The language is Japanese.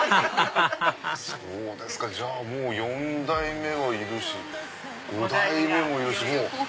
ハハハハハじゃあ４代目はいるし５代目もいるし。